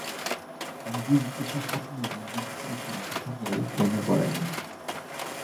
একদিন ঊষা স্বপ্নে একজন পুরুষের দেখা পেয়ে প্রেমে পড়েন।